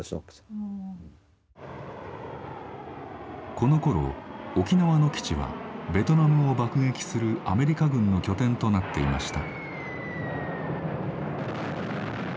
このころ沖縄の基地はベトナムを爆撃するアメリカ軍の拠点となっていました。